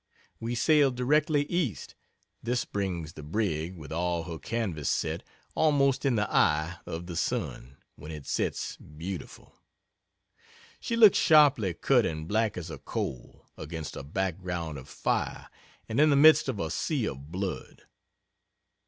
We sail directly east this brings the brig, with all her canvas set, almost in the eye of the sun, when it sets beautiful. She looks sharply cut and black as a coal, against a background of fire and in the midst of a sea of blood.